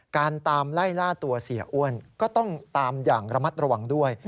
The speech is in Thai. ตามไล่ล่าตัวเสียอ้วนก็ต้องตามอย่างระมัดระวังด้วย